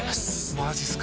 まじすか！？